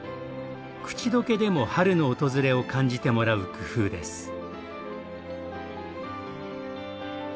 口溶けでも春の訪れを感じてもらう工夫です。